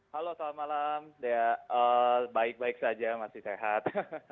halo selamat malam dea baik baik saja masih sehat